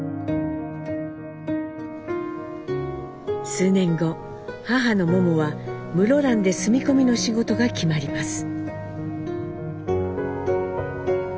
数年後母のモモは室蘭で住み込みの仕事が決まります。